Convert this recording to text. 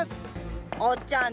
おっちゃん